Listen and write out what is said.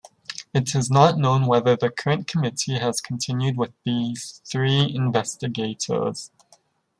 It is not known whether the current committee has continued with these three investigators.